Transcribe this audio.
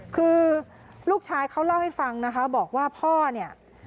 คือลูกชายเขาเล่าให้ฟังนะคะบอกว่าพ่อเนี่ย